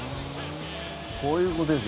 こういうことです。